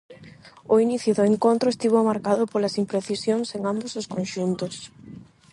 O inicio do encontro estivo marcado polas imprecisións en ambos os conxuntos.